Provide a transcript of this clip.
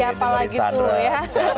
siapa lagi itu ya